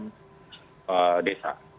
di ppkm desa